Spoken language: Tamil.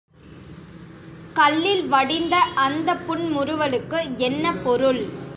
கல்லில் வடிந்த அந்தப் புன்முறுவலுக்கு என்ன பொருள்?